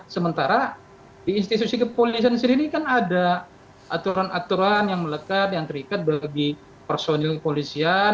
sementara di institusi kepolisian sendiri kan ada aturan aturan yang melekat yang terikat bagi personil kepolisian